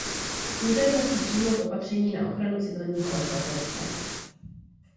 Úřady musí přijmout opatření na ochranu civilního obyvatelstva.